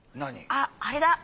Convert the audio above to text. ああれだ！